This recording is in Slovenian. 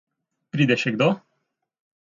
Pride še kdo?